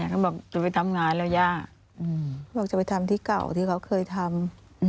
เขาบอกว่าจะไปทำที่เก่าที่เขาเคยทำ